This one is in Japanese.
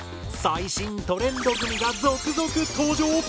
最新トレンドグミが続々登場。